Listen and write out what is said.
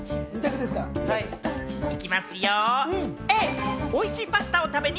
行きますよ！